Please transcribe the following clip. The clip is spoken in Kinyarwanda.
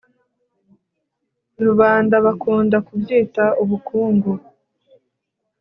rubanda bakunda kubyita ubukungu